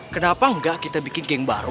kenapa enggak kita bikin geng baru